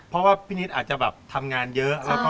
เพราะว่าพี่นิดอาจจะแบบทำงานเยอะ